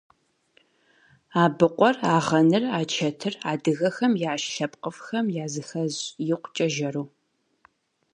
Абыкъур, агъэныр, ачэтыр - адыгэхэм яш лъэпкъыфӏхэм языхэзщ, икъукӏэ жэру.